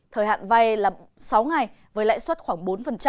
thời hạn vay là sáu ngày với lãi suất khoảng bốn